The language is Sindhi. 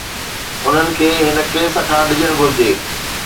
انهن کي هن ڪيس کان ڊڄڻ گهرجي.